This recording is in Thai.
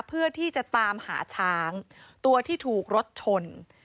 เพื่อที่จะตามหาช้างตัวที่ถูกรถชน